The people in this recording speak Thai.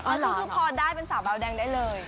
พูดพอได้เป็นสาวเบาแดงได้เลย